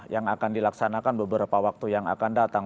yang akan dilaksanakan beberapa waktu yang akan datang